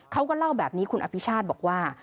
เขาก็เล่าแบบนี้คุณอภิชาติบอกว่า